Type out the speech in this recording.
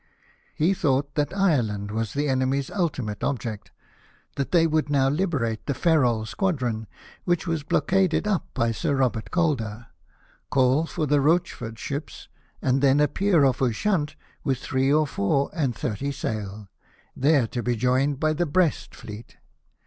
He thought that Ireland T 2 292 LIFE OF NELSON. was the enemy's ultimate object ; that they would now hberate the Ferrol squadron, which was blocked up by Sir Robert Calder, call for the Rochefort ships, and then appear off Ushant with three or four and thirty sail, there to be joined by the Brest fleet.